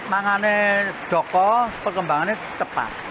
makanan doko perkembangannya cepat